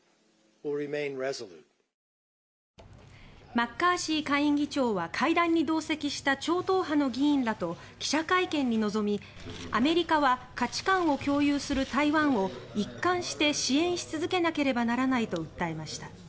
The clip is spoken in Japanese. マッカーシー下院議長は会談に同席した超党派の議員らと記者会見に臨みアメリカは価値観を共有する台湾を一貫して支援し続けなければならないと訴えました。